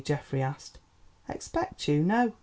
Geoffrey asked. "Expect you? no.